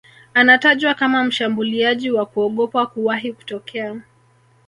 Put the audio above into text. Anatajwa kama mshambuliaji wa kuogopwa kuwahi kutokea